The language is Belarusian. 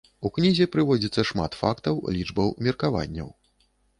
У кнізе прыводзіцца шмат фактаў, лічбаў, меркаванняў.